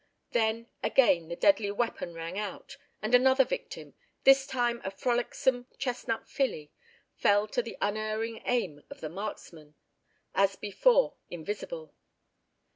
Then again the deadly weapon rang out, and another victim, this time a frolicsome chestnut filly, fell to the unerring aim of the marksman, as before, invisible.